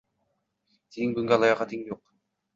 “Sening bunga layoqating yo‘q”